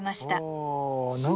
お。